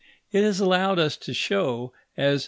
It has allowed us to show, as M.